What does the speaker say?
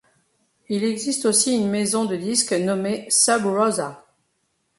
Il existe aussi une maison de disques nommée Sub Rosa.